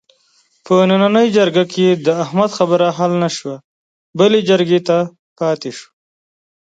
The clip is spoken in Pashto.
په نننۍ جرګه کې د احمد خبره حل نشوه، بلې جرګې ته پاتې شوله.